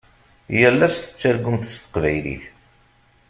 Yal ass tettargumt s teqbaylit.